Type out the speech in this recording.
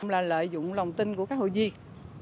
là lợi dụng lòng tin của các hội viên